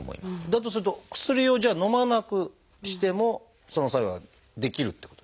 だとすると薬をじゃあのまなくしてもその作用はできるっていうことですか？